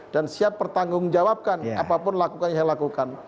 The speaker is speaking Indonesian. dan siap bertanggung jawabkan apapun yang dilakukan